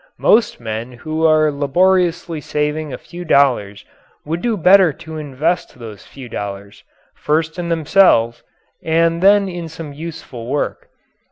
Most men who are laboriously saving a few dollars would do better to invest those few dollars first in themselves, and then in some useful work.